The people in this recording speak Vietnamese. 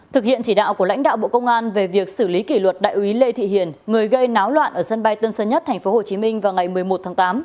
thực hiện chỉ đạo của lãnh đạo bộ công an về việc xử lý kỷ luật đại úy lê thị hiền người gây náo loạn ở sân bay tân sơn nhất tp hcm vào ngày một mươi một tháng tám